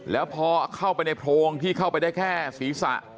แล้วพอเข้าไปในโพรงที่เข้าไปได้แค่ศีรษะ